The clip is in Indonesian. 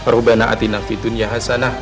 raubana atina fitun ya hasanah